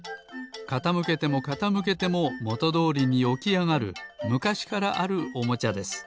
かたむけてもかたむけてももとどおりにおきあがるむかしからあるおもちゃです。